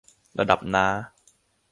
ระดับน้า